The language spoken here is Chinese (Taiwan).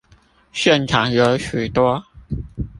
現場有許多